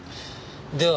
では